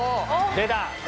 出た。